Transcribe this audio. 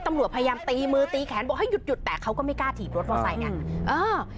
ตำรวจพยายามตีมือตีแขนบอกให้หยุดหยุดแต่เขาก็ไม่กล้าถีบรถมอไซค์ไงเออ